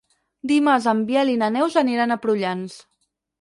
Dimarts en Biel i na Neus aniran a Prullans.